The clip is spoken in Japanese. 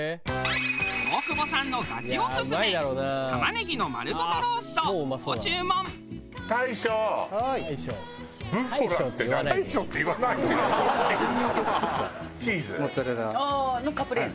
大久保さんのガチオススメ玉ねぎの丸ごとローストを注文。のカプレーゼ？